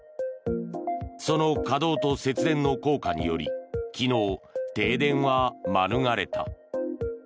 その稼働と節電の効果により昨日、停電は免れた。